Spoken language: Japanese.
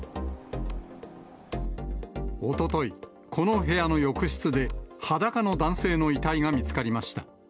おととい、この部屋の浴室で、裸の男性の遺体が見つかりました。